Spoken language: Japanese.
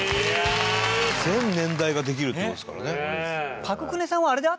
全年代ができるって事ですからね。